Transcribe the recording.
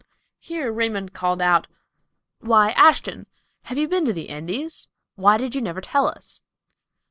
Here Raymond called out, "Why Ashton, have you been to the Indies? Why did you never tell us?"